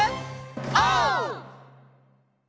オー！